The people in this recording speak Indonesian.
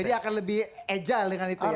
jadi akan lebih agile dengan itu ya